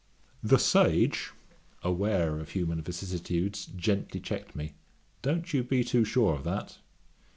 The Sage, aware of human vicissitudes, gently checked me: 'Don't you be too sure of that.'